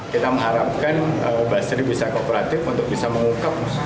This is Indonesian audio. kita mengharapkan basri bisa kooperatif untuk bisa mengungkap